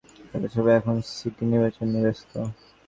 তারা সবাই এখন সিটি নির্বাচন নিয়ে ব্যস্ত।